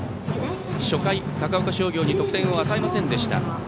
初回、高岡商業に得点を与えませんでした。